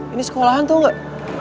ini sekolahan tau gak